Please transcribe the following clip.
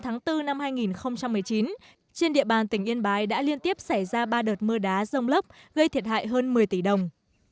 ngày bốn năm hai nghìn một mươi chín trên địa bàn tỉnh yên bái đã liên tiếp xảy ra ba đợt mưa đá rông lốc gây thiệt hại hơn một mươi tỷ đồng